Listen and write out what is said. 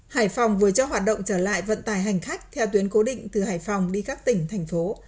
hải phòng vừa cho hoạt động trở lại vận tài hành khách theo tuyến cố định từ hải phòng đi các tỉnh thành phố